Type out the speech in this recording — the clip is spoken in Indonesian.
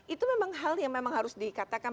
itu memang hal yang memang harus dikatakan